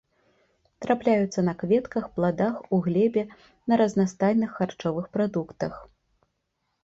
Трапляюцца на кветках, пладах, у глебе, на разнастайных харчовых прадуктах.